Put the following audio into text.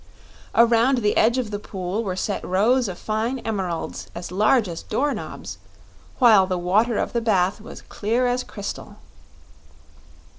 Around the edge of the pool were set rows of fine emeralds as large as door knobs, while the water of the bath was clear as crystal.